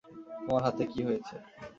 তোমার হাতে কী হয়েছে?